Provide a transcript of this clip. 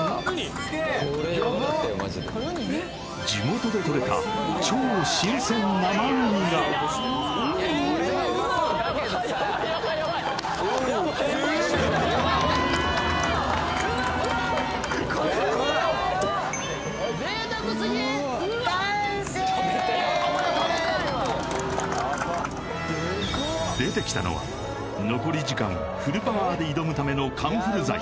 ・すげえヤバッ地元でとれた超新鮮生ウニがうわっ完成出てきたのは残り時間フルパワーで挑むためのカンフル剤